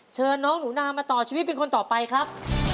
เชิญน้องหนูนามาต่อชีวิตเป็นคนต่อไปครับ